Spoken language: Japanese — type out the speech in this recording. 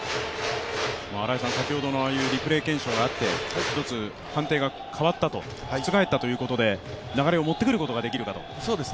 先ほどのああいうリプレー検証があってひとつ判定が代わったと覆ったということで流れを持ってくることができるか。